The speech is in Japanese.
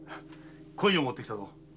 鯉を持ってきたぞ。